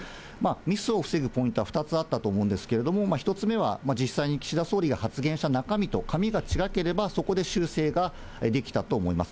ミスを防ぐポイントは２つあったと思うんですけれども、１つ目は、実際に岸田総理が発言した中身と紙がちがければそこで修正ができたと思います。